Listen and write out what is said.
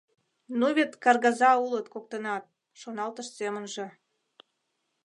Ну вет каргаза улыт коктынат!..» — шоналтыш семынже.